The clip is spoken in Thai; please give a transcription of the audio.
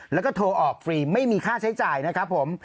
แล้วก็โทรออกฟรีไม่มีค่าใช้จ่ายนะครับผม